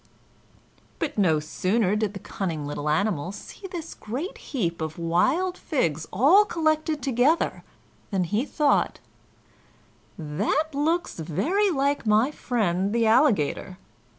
But no sooner did the cunning little animal see this great heap of wild figs all collected together than he thought, "That looks very like my friend the Alligator."